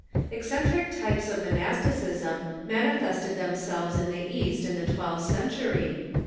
Eccentric types of monasticism manifested themselves in the East in the twelfth century.